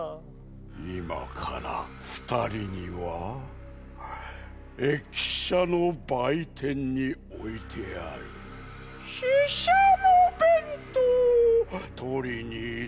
いまからふたりには駅しゃのばいてんにおいてあるししゃもべんとうをとりにいってもらうざんす。